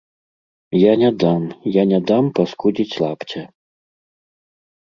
Я не дам, я не дам паскудзіць лапця!